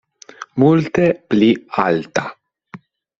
Multe pli alta.